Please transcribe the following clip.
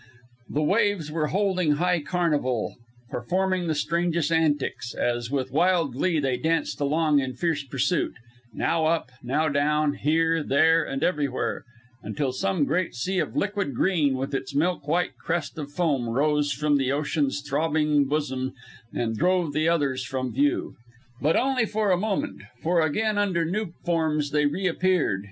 The waves were holding high carnival, performing the strangest antics, as with wild glee they danced along in fierce pursuit now up, now down, here, there, and everywhere, until some great sea of liquid green with its milk white crest of foam rose from the ocean's throbbing bosom and drove the others from view. But only for a moment, for again under new forms they reappeared.